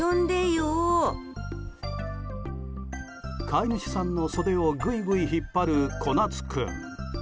飼い主さんの袖をぐいぐい引っ張る、こなつ君。